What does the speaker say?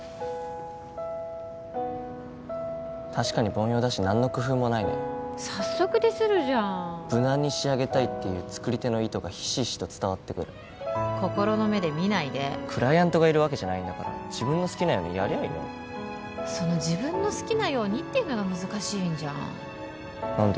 確かに凡庸だし何の工夫もないね早速ディスるじゃん無難に仕上げたいっていう作り手の意図がひしひしと伝わってくる心の目で見ないでクライアントがいるわけじゃないんだから自分の好きなようにやりゃいいのにその「自分の好きなように」っていうのが難しいんじゃん何で？